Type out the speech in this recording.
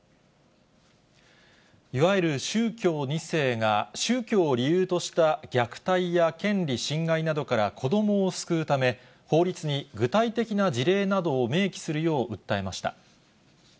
いわゆる宗教２世が宗教を理由とした虐待や権利侵害などから子どもを救うため、法律に具体的な事例などを明記するよう訴えました。